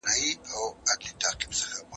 د حیات الله مېرمنې له ده څخه د سفر غوښتنه کړې وه.